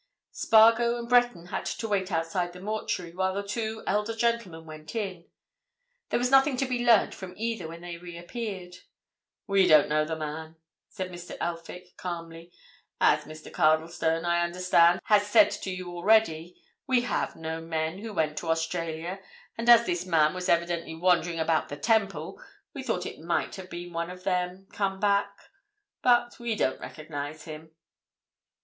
Spargo and Breton had to wait outside the mortuary while the two elder gentlemen went in. There was nothing to be learnt from either when they reappeared. "We don't know the man," said Mr. Elphick, calmly. "As Mr. Cardlestone, I understand, has said to you already—we have known men who went to Australia, and as this man was evidently wandering about the Temple, we thought it might have been one of them, come back. But—we don't recognize him."